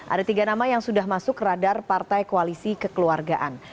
ada tiga nama yang sudah masuk radar partai koalisi kekeluargaan